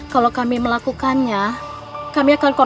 kalau kami melakukannya kami akan korbankan keluarga kami